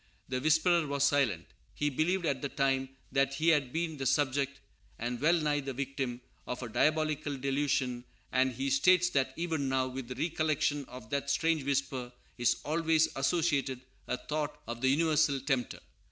The whisperer was silent. He believed, at the time, that he had been the subject, and well nigh the victim, of a diabolical delusion; and he states that, even now, with the recollection of that strange whisper is always associated a thought of the universal tempter.